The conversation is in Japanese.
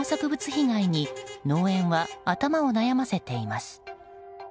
被害に農園は頭を悩ませています。